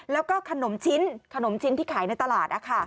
แล้วก็ขนมชิ้นขนมชิ้นที่ขายในตลาด